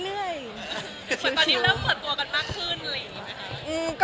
หนึ่ง